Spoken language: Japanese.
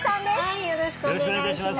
よろしくお願いします